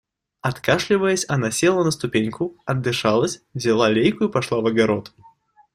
Откашливаясь, она села на ступеньку, отдышалась, взяла лейку и пошла в огород.